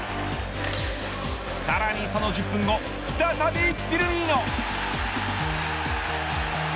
さらにその１０分後再び、フィルミーノ。